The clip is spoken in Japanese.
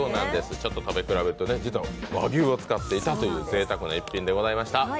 ちょっと食べ比べるとね、実は和牛が使われていたというぜいたくな一品でございました。